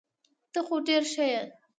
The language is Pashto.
ته خو ډير ښه يي .